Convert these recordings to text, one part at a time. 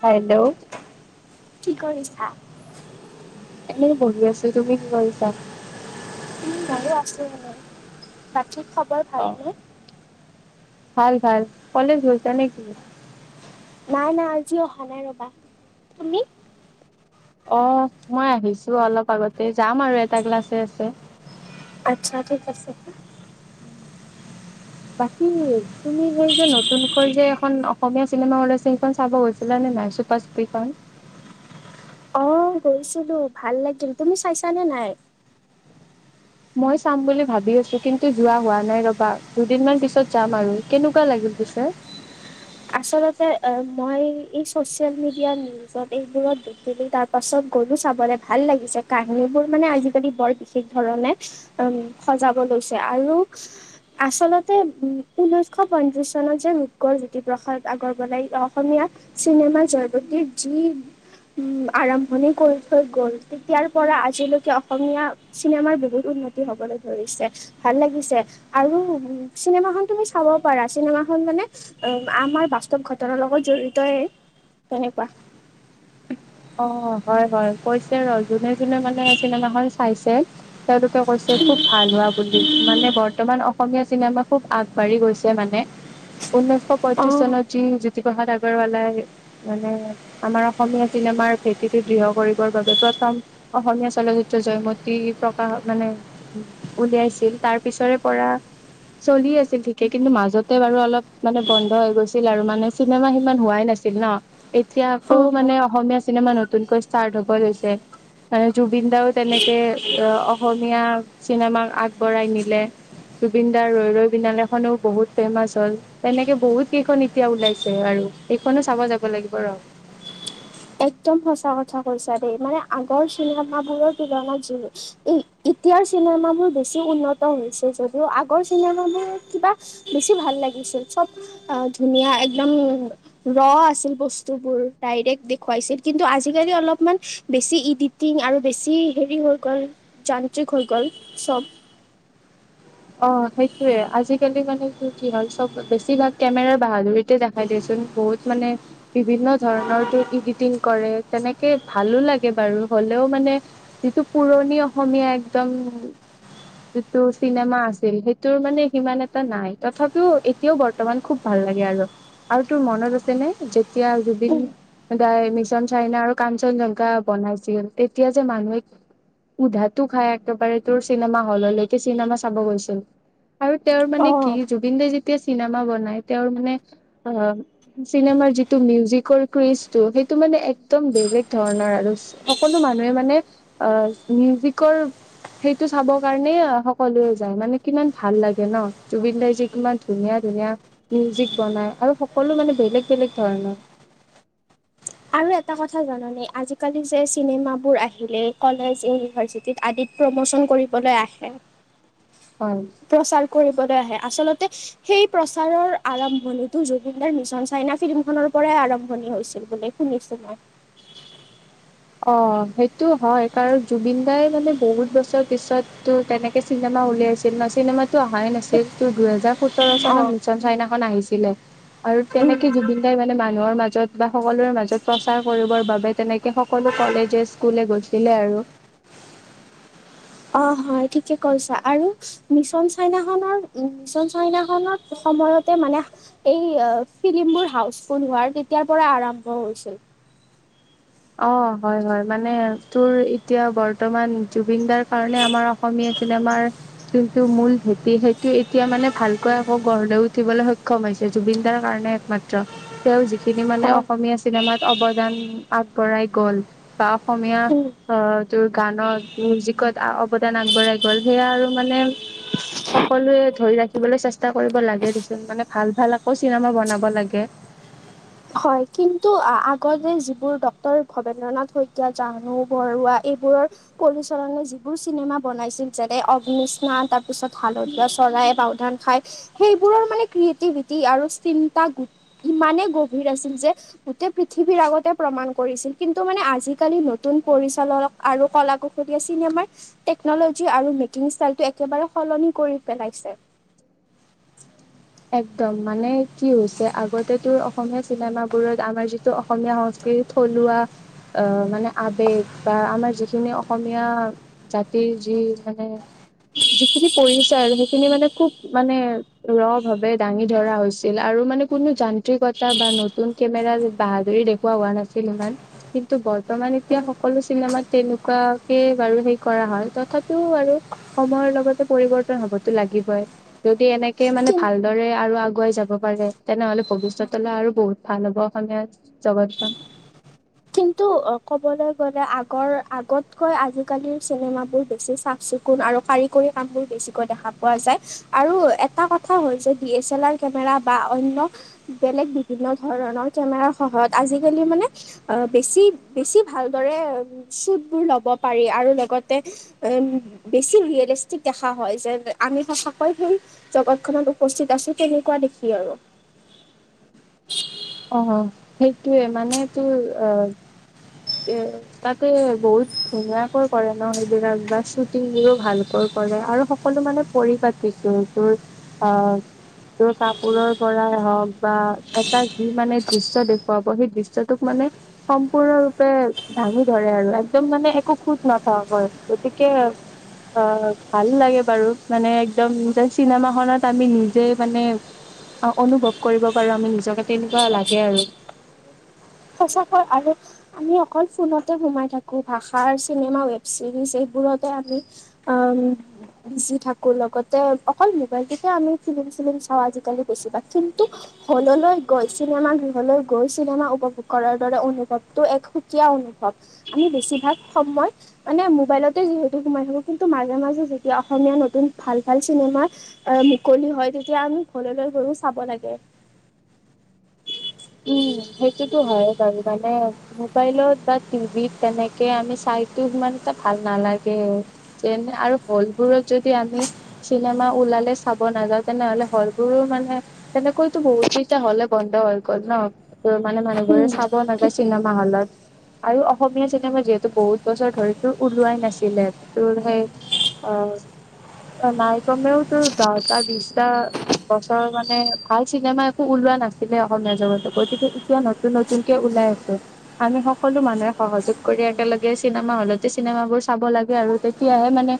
বাইদেউ। কি কৰিছা? এনে বহি আছো তুমি কি কৰিছা? উম ভালে আছো বাৰু বাকি খবৰ অ'। ভালনে? ভাল ভাল কলেজ গৈছা নেকি? নাই নাই আজি অহা নাই ৰবা তুমি? অ মই আহিছো অলপ আগতে যাম আৰু এটা ক্লাছে আছে। আচ্ছা ঠিক আছে। বাকী তুমি এই যে নতুনকৈ যে এখন অসমীয়া চিনেমা ওলাইছে সেইখন চাব গৈছিলা নে নাই। পাচপিপাং। অ গৈছিলো ভাল লাগিল তুমি চাইছানে নাই? মই চাম বুলি ভাবি আছো কিন্তু যোৱা হোৱা নাই ৰবা দুদিনমান পিছত যাম আৰু কেনেকুৱা লাগিল পিছে। আচলতে মই এই চচিয়েল মিডিয়া। তাৰ পিছত এইবোৰত দেখিলো তাৰ পাছত গলো চাবলৈ ভাল লাগিছে কাহিনী বোৰ মানে আজিকালি বৰ বেচি, ঠিক ধৰণে উম সজাব লৈছে আৰু, আচলতে উ ঊনৈশ পনছাচ চনত যে ৰূপকোঁৱৰ জুতি প্ৰসাদ আগৰৱালাই অসমীয়া চিনেমা জয়মতীৰ যি, আৰম্ভণি কৰি থৈ গ'ল তেতিয়াৰ পৰা আজিলৈকে অসমীয়া, চিনেমাৰ বহুত উন্নতি হবলৈ ধৰিছে। ভাল লাগিছে আৰু চিনেমাখন তুমি চাব পাৰা চিনেমা খন মানে, আমাৰ বাস্তৱ ঘটনাৰ লগত জড়িতই তেনেকুৱা। অ হয় হয় কৈছে ৰ যোনে যোনে মানে চিনেমাখন চাইছে। তেওঁলোকে কৈছে খুব ভাল হোৱা বুলি মানে বৰ, বৰ্তমান অসমীয়া চিনেমা খুব আগবাঢ়ি গৈছে মানে ঊনৈশ অ পয়ত্ৰিশ চনত। জ্যোতিপ্ৰসাদ আগৰৱালাই মানে আমাৰ অসমীয়াত। চিনেমাৰ ভেটিটো দৃঢ় কৰিবৰ বাবে প্ৰথম, অসমীয়া চলচ্চিত্ৰ জয়মতী প্ৰকাশ মানে, উলিয়াইছিল তাৰ পিছৰে পৰা। চলি আছিল ঠিকে কিন্তু মাজতে বাৰু অলপ মানে বন্ধ হৈ গৈছিল আৰু মানে চিনেমা সিমান হোৱাই নাছিল। ন, এতিয়া অ আকৌ হয় মানে অসমীয়া চিনেমা নতুনকৈ ষ্টাৰ্ট হ'ব লৈছে। জুবিন দাও, তেনেকে অসমীয়া চিনেমাক আগবঢ়াই নিলে। জুবিন দাৰ ৰৈ ৰৈ বিনালে খনো বহুত ফেমাচ হ'ল। তেনেকে বহুত কেইখন এতিয়া ওলাইছে আৰু এইখনো চাব যাব লাগিব ৰহ। একদম সঁচা কথা কৈছা দেই, মানে আগৰ চিনেমাবোৰৰ তুলনাত য এতিয়াৰ চিনেমাবোৰ বেছি উন্নত হৈছে যদিও, আগৰ চিনেমাবোৰ কিবা বেছি ভাল লাগিছিল, চব অ, ধুনীয়া একদম ৰ, আছিল বস্তু বোৰ, ডাইৰেক্ট খুৱাইছিল কিন্তু আজিকালি অলপমান, বেছি ইডিটিং আৰু বেছি হেৰি হৈ গ'ল। যান্ত্ৰিক হৈ গ'ল, চব। অ, সেইটয়ে আজিকালি মানে কি কি হ'ল চব, বেছিভাগ কেমেৰাৰ বাহাদুৰিতে দেখাই দিয়েচোন বহুত। মানে বিভিন্ন ধৰণৰ তোৰ ইডিটিং কৰে, তেনেকে ভালো লাগে বাৰু হ'লেও মানে যিটো পুৰণি অসমীয়া একদম, যিটো চিনেমা আছিল সেইটোৰ মানে সিমান এটা নাই, তথাপিও এতিয়াও বৰ্তমান খুব ভাল লাগে আৰু। আৰু তোৰ মনত আছে নে, যেতিয়া জুবিন দাই, মিছন চাইনা আৰু কাঞ্চনজংঘা বনাইছিল, তেতিয়া যে মানুহে উধাতো খাই একেবাৰে তোৰ চিনেমা হ'ললৈকে চিনেমা চাব গৈছি অ, আৰু তেওঁৰ অ মানে কি জুবিন দাই যেতিয়া চিনেমা বনাই, তেওঁৰ মানে, আহ চিনেমাৰ যিটো মিউজিকৰ ক্ৰিচটো সেইটো মানে একদম বেলেগ ধৰণৰ আৰু। সকলো মানুহে মানে, আহ মিউজিকৰ সেইটো চাব কাৰণে সকলোৱে যায় মানে কিমান ভাল লাগে ন, জুবিন দাৰ যে কিমান ধুনীয়া ধুনীয়া মিউজিক বনাই আৰু সকলো মানে বেলেগ বেলেগ ধৰণৰ। আৰু এটা কথা জানানে, আজিকালি যে চিনেমাবোৰ আহিলে কলেজ, ইউনিভাৰ্চ ত, আদিত প্ৰমোচন কৰিবলৈ আহে। হয়। প্ৰচাৰ কৰিবলৈ আহে, আচলতে সেই প্ৰচাৰৰ আৰম্ভণিটো জুবিন দাৰ মিছন চাইনা, ফিল্ম খনৰ পৰাই আৰম্ভণি হৈছিল বুলি শুনিছো মই। অ, সেইটো হয়, কাৰণ জুবিন দাই মানে বহুত বছৰ পিছত তো তেনেকে চিনেমা উলিয়াইছিল ন, চিনেমাতো অহাই নাছিল তোৰ দুহেজাৰ সোতৰ চনত অ', মিছন চাইনাখন, আহিছিলে। আৰু উম তেনেকে জুবিন দাই মানে মানুহৰ মাজত বা সকলোৰে মাজত, প্ৰচাৰ কৰিবৰ বাবে তেনেকে সকলো কলেজে, স্কুলে গৈছিলে আৰু। অ, হয় ঠিকে কৈছা আৰু মিছন চাইনাখনৰ, মিছন চাইনা খনত সময়তে মানে এই ফিল্ম বোৰ হাউছফুল হোৱাৰ তেতিয়াৰ পৰা আৰম্ভ হৈছিল। অ, হয় হয় মানে তোৰ এতিয়া বৰ্তমান জুবিন দাৰ কাৰণে আমাৰ অসমীয়া চিনেমাৰ কিন্তু মূল ভেটি সেইটো এতিয়া মানে ভালকৈ আকৌ গড় লৈ উঠিবলে সক্ষম হৈছে, জুবিন দাৰ কাৰণে। মাত্ৰ, তেওঁ যিখিনি মানে হয় অসমীয়া চিনেমাত অৱদান পাঠ বঢ়াই গ'ল বা অসমীয়া উম অ, তোৰ গানত মিউজিকত, অৱদান আগবঢ়াই গ'ল সেয়া আৰু মানে সকলোৱে ধৰি ৰাখিবলৈ চেষ্টা কৰিব লাগে দেচোন, মানে ভাল ভাল আকৌ চিনেমা বনাব লাগে। হয়, কিন্তু আ-আগতে যিবোৰ ডাক্তৰ ভবেন্দ্ৰনাথ শইকীয়া, জাহ্নু বৰুৱা এইবোৰৰ পৰিচলনে যিবোৰ চিনেমা বনাইছিল যেনে অভিনিষ্ণা তাৰ তাৰপিছত হালধীয়া চৰাই বাও ধান খাই। সেইবোৰৰ মানে ক্ৰিয়েটিভিটি আৰু চিন্তা ইমানে গ ভিৰ আছিল যে গোটেই পৃথিৱীৰ আগতে প্ৰমাণ কৰিছিল কিন্তু মানে আজিকালি ন নতুন পৰিচালক আৰু ক'লা কুঁহুদীয়া চিনেমাৰ টেকনলজি আৰু মেকিং ষ্টাইলটো একেবাৰে সলনি কৰি পেলাইছে। একদম মানে কি হৈছে আগতে তোৰ অসমীয়া চিনেবোৰত আমাৰ যিটো অসমীয়া সংস্কৃ সংস্কৃতি কি থলুৱা অহ, মানে আৱেগ বা আমাৰ যিখিনি অসমীয়া জাতিৰ যি মানে যিখিনি কৰিছে আৰু। সেইখিনি মানে খুব মানে ৰব ভাৱে দাঙি ধৰা হৈছিল, আৰু মানে কোনো যান্ত্ৰিকতা বা নতুন কেমেৰাৰ বাহাদুৰি দেখুওৱা হোৱা নাছিল। [unintelligible] কিন্তু বৰ্তমান এতিয়া সকলো চিনেমাত তেনেকুৱাকেই বাৰু সেই কৰা হয়, তথাপিও বাৰু সময়ৰ লগতে পৰিৱৰ্তন হ'বতো লাগিবই, যদি এনেকেই মানে কিন্তু ভালদৰে আৰু আগুৱাই যাব পাৰে, তেনেহলে ভৱিষ্যতলৈ আৰু বহুত ভাল হ'ব অসমীয়া জগতখন। কিন্তু, ক'বলৈ গ'লে আগৰ-আগতকৈ আজিকালিৰ চিনেমাবোৰ বেছি চাফ চিকুণ আৰু কাৰিকৰী কামবোৰ বেছিকৈ দেখা পোৱা যায়। আৰু এটা কথা হ'ল যে, দি এচ লাৰ কেমেৰা বা অন্য বেলেগ বিভিন্ন ধৰণৰ কেমেৰাৰ সহায়ত, আজিকালি মানে অহ, বেছি-বেছি ভালদৰে শ্বুটবোৰ ল'ব পাৰি আৰু লগতে উম, বেছি ৰিয়েলিষ্টিক দেখা হয়, যেন আমি সচাকৈ সেই জগতখনত উপস্থিত আছো, তেনেকুৱা দেখি আৰু। অহ, সেইটোৱে মানে, তোৰ অহ, এহ, তাতো বহুত ধুনীয়াকৈ কৰে ন' সেইবিলাক বা শ্বুটিংও ভালকৈ কৰে, আৰু সকলো মানে পৰিপাতিকৈ, তোৰ আহ, তোৰ কাপোৰৰ পৰাই হওঁক, বা এটা যি মানে দৃশ্য দেখুৱাব, সেই দৃশ্যটোত মানে সম্পূৰ্ণৰূপে দাঙি ধৰে আৰু। একদম মানে একো খোট নথকাকৈ গতিকে, অহ, ভাল লাগে বাৰু, মানে একদম যেন চিনেমাখনত আমি নিজেই মানে অহ, অনুভৱ কৰিব পাৰোঁ আমি নিজকে, তেনেকুৱা লাগে আৰু। সচাকৈ আৰু আমি অকল ফোনতে সোমাই থাকো, ভাষাৰ চিনেমা, ৱেব চিৰিজ, এইবোৰতে আমি আম বিজি থাকো, লগতে অকল মোবাইলটোতে আমি ফিলিম চিলিম চাওঁ আজিকালি বেছিভাগ, কিন্তু হল'লৈ গৈ, চিনেমা গৃহলৈ গৈ, চিনেমা উপভোগ কৰাৰ দৰে অনুভৱটো এক সুকীয়া অনুভৱ, আমি বেছিভাগ সময় মানে মোবাইলতে যিহেতু সোমাই থাকো, কিন্তু মাজে মাজে যেতিয়া অসমীয়া নতুন ভাল-ভাল চিনেমা আহ, মুকলি হয়, তেতিয়া আমি হল'লৈ গৈও চাব লাগে। উম, সেইটোতো হয়ে বাৰু মানে মোবাইলত বা টিভিত, তেনেকে আমি চাইতো সিমান এটা ভাল নালাগে। যেন, আৰু হল'বোৰত যদি আমি চিনেমা ওলালে চাব নাযাওঁ, তেনেহ'লে হল'বোৰো মানে তেনেকৈতো বহুত কেইটা হল এ বন্ধ হ'ল। গ'ল ন' গৈ মানে উম মানুহবোৰে চাব নাযায় চিনেমা হলত। আৰু অসমীয়া চিনেমা যিহেতু বহুত বছৰ ধৰি তোৰ ওলোৱাই নাছিলে তোৰ সেই অ' অ' নাই কমেও তোৰ দহটা, বিছটা বছৰমানে ভাল চিনেমা একো ওলোৱা নাছিলে অসমীয়া জগতত গতিকে এতিয়া নতুন, নতনকে ওলাই আছোঁ। আমি সকলো মানুহে সহযোগ কৰি একেলগে চিনেমা হলতে চিনেমাবোৰ চাব লাগে আৰু তেতিয়াহে মানে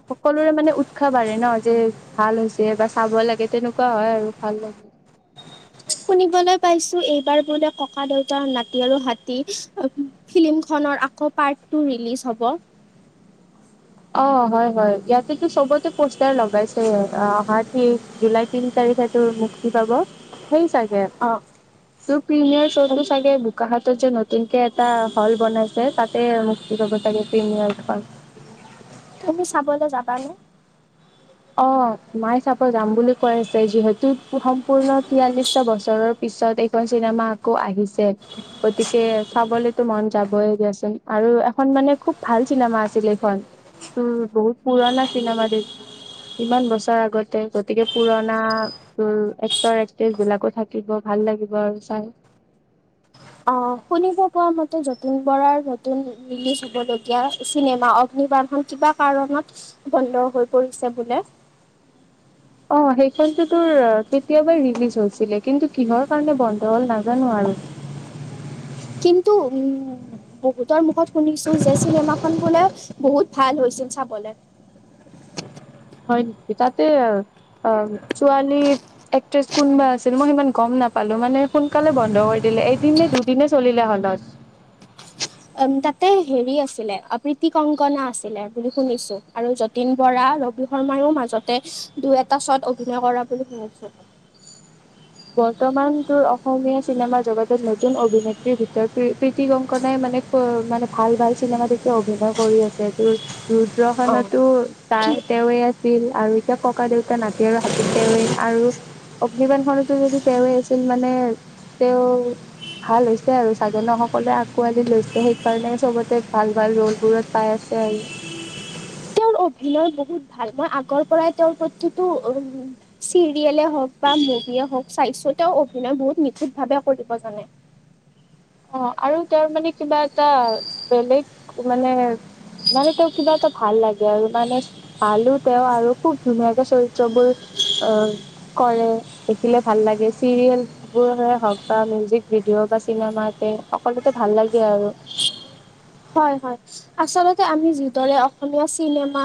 অ'সকলোৰে মানে উৎসাহ বাঢ়ে ন' যে ভাল হৈছে বা চাব লাগে তেনেকুৱা হয় আৰু ভাল লাগে। শুনিবলৈ পাইছো এইবাৰ বোলে ককা-দেউতা নাতি আৰু হাতী ফিল্মখনৰ আকৌ পাৰ্ট টু ৰিলিজ হ'ব অ'হয়, হয় ইয়াতেতো চবতে পোষ্টাৰ লগাইছে অ'অহা ত্ৰিছ জুলাইত তিনি তাৰিখে তোৰ মুক্তি পাব সেই চাগে অ', তোৰ প্ৰিমিয়াৰ চটো চাগে বোকাখাতত যে নতুনকে এটা হল বনাইছে তাত তে মুক্তি পাব চাগে প্ৰিমিয়াৰ খন। তুমি চাবলৈ যাবানে? অ'মাই চাব যাম বুলি কৈ আছে যিহেতু সম্পূৰ্ণ তিয়াল্লিছটা বছৰৰ পিছত এইখন চিনেমা আকৌ আহিছে গতিকে চাবলেতো মন যাবই দিয়াচোন আৰু এখন মানে খুব ভাল চিনেমা আছিল এইখন তোৰ বহুত পুৰণা চিনেমা দে ইমান বছৰ আগতে গতিকে পুৰণা উম, এক্টৰ, এক্ট্ৰেছ বিলাকো থাকিব ভাল লাগিব আৰু চাই। অ'শুনিব পৰা মতে যতিন বৰাৰ নতুন ৰিলিজ হ'বলগীয়া চিনেমা অগ্নিবান খন কিবা কাৰণত বন্ধ হৈ পৰিছে বোলে অ' সেইখনতো তোৰ কেতিয়াবাই ৰিলিজ হৈছিলে কিন্তু কিহৰ কাৰণে বন্ধ হ'ল নাজানো আৰু। কিন্তু উম, বহুতৰ মুখত শুনিছো যে চিনেমা খন বোলে বহুত ভাল হৈছিল চাবলে। হয় নেকি তাতো অ' অ' ছোৱালী এক্ট্ৰেছ কোনবা আছিল মই সিমান গম নাপালো মানে সোনকালে বন্ধ কৰি দিলে এদিন নে দুদিনে চলিলে হলত। উম, তাতে হেৰি আছিলে অ'প্ৰীতি কংকনা আছিলে বুলি শুনিছো আৰু য যতীন বৰা, ৰবি শৰ্মায়ো মাজতে দুই, এটা ছট অভিনয় কৰা বুলি শুনিছোঁ। বৰ্তমান তোৰ অসমীয়া চিনেমা জগতত নতুন অভিনেত্ৰীৰ ভিতৰত প্ৰী-প্ৰীতি কংকনাই মানে ত' মানে ভাল, ভাল চিনেমাত এতিয়া অভিনয় কৰি আছে তোৰ অ ৰুদ্ৰখনতো তাই তেওঁৱে আছ ছিল আৰু এতিয়া ককা দেউতা নাতি আৰু হাতীত তেৱেঁ আৰু অগ্নিবানখন যদি তেওঁৱে আছিল মানে, তেওঁ ভাল হৈছে আৰু চাগে ন সকলোৱে আঁকোৱালি লৈছে সেইকাৰণে চবতে ভাল ভাল ৰ'ল বোৰত‌ পাই আছে। তেওঁৰ অভিনয় বহুত ভাল মই আগৰ পৰাই তেওঁৰ প্ৰতিটো চিৰিয়েলে হ'ওক বা মুভিয়ে হ'ওক স্বাস্থ্য তেওঁ অভিনয় বহুত নিখুত ভাৱে কৰিব জানো? অ আৰু তেওঁৰ মানে কিবা এটা বেলেগ মানে মানে তোক কিবা এটা ভাল লাগে আৰু মানে আলু তেও আৰু খুব ধুনীয়াকে চৰিত বোৰ কৰি, কৰে, দেখিলে ভাল লাগে চিৰিয়েল [unintelligible] হওঁক বা মিউজিক ভিডিঅ বা চিনেমাতে সকলোতে ভাল লাগে আৰু হয় হয় আচলতে আমি যিদৰে অসমীয়া চিনেমা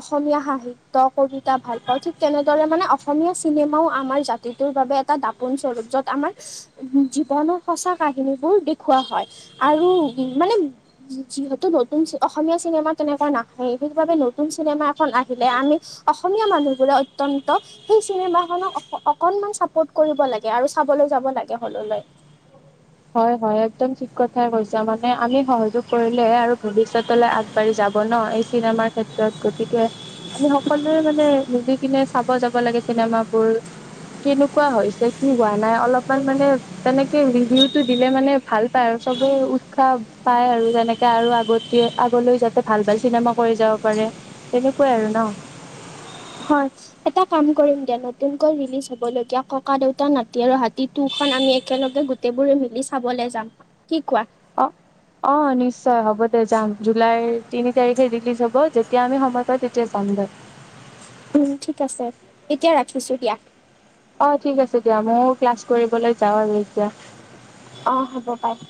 অসমীয়া সাহিত্য কবিতা ভাল পাওঁ ঠিক তেনেদৰে মানে অসমীয়া চিনেমাও আমাৰ জাত টোৰ বাবে এটা দাপোন স্বৰূপ যত আমাৰ জীৱনৰ সঁচা কাহিনীবোৰ দেখুওৱা হয় আৰু উ মানে যিহেতু নতুন অসমীয়া চিনেমা তেনেকুৱা নাহেই, সেইবাবে নতুন চিনেমা এখন আহিলে আমি অসমীয়া মানুহবোৰে অত্যন্ত সেই চিনেমা খনক অকনমান চাপৰ্ট কৰিব লাগে আৰু চাবলৈ যাব লাগে হললৈ। হয় হয় একদম ঠিক কথাই কৈছা। মানে আমি সহযোগ কৰিলেহে আৰু ভৱিষ্যত তলে আগবাঢ়ি যাব ন এই চিনেমাৰ ক্ষেত্ৰত গতিকে আমি সকলোৱে মানে মিলি কিনে যাব লাগে চিনেমাবোৰ। কেনেকুৱা হৈছে কি হোৱা নাই অলপমান মানে তেনেকে ৰিভিউট দিলে মানে ভাল পায় আৰু চবে উৎসাহ পায় আৰু তেনেকে আৰু আগতে আগলৈ যাতে ভাল ভাল চিনেমা কৰি যাব পাৰে তেনেকুৱাই আৰু ন। হয়। এটা কাম কৰিম দিয়া নতুনকৈ ৰিলিজ হ'ব লগীয়া ককা দেউতা নাতি আৰু হাতী টু খন আমি একেলগে গোট গোটেইবোৰে মিলি চাবলৈ যাম, কি কোৱা? অ', অ' নিশ্চয় হ'ব দে যাম জুলাইৰ তিনি তাৰিখে ৰিলিজ হ'ব যেতিয়া আমি সময় পাই তেতিয়া যাম দে। উম, ঠিক আছে এতিয়া ৰাখিছো দিয়া। অ' ঠিক আছে দিয়া ময়ও ক্লাছ কৰিবলৈ যাওঁ আৰু এতিয়া। অ' হ'ব পাই।